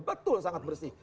betul sangat bersih